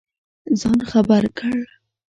ځان خبر کړ.